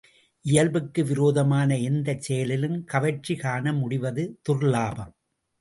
இயல்புக்கு விரோதமான எந்தச் செயலிலும் கவர்ச்சி காண முடிவது துர்லாபம்.